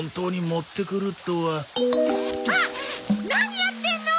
何やってんの！